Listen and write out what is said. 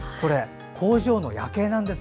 工場の夜景なんです。